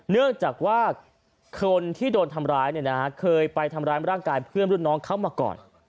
เนื่องจากว่าคนที่โดนทำร้ายเคยไปทำร้ายร่างกายเพื่อนรุ่นน้องเขามาก่อน